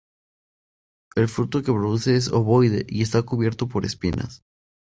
El fruto que produce es ovoide y está cubierto por espinas.